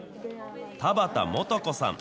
田畑誉子さん。